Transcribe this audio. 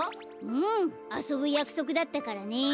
うんあそぶやくそくだったからね。